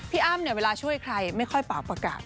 อ้ำเนี่ยเวลาช่วยใครไม่ค่อยเป่าประกาศ